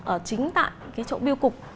ở chính tại cái chỗ biêu cục